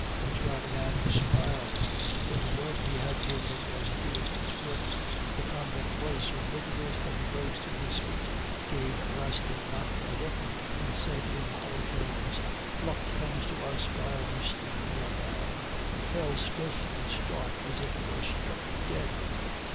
Vautrin began to smile. Though the drug he had taken was doing its work, the convict was so vigorous that he rose to his feet, gave Rastignac a look, and said in hollow tones, "Luck comes to us while we sleep, young man," and fell stiff and stark, as if he were struck dead.